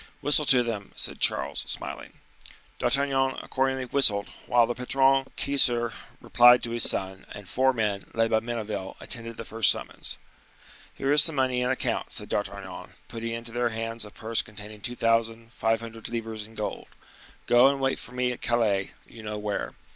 "Whistle to them," said Charles, smiling. D'Artagnan, accordingly, whistled, whilst the patron Keyser replied to his son; and four men, led by Menneville, attended the first summons. "Here is some money in account," said D'Artagnan, putting into their hands a purse containing two thousand five hundred livres in gold. "Go and wait for me at Calais, you know where."